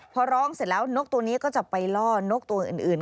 พอร้องเสร็จแล้วนกตัวนี้ก็จะไปล่อนกตัวอื่น